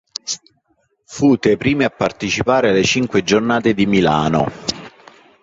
Fu tra i primi a partecipare alle Cinque giornate di Milano.